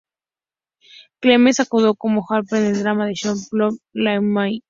Clemens actuó como Harper en el drama de Showtime "Love My Way".